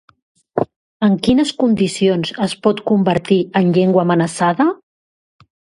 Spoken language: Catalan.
En quines condicions es pot convertir en llengua amenaçada?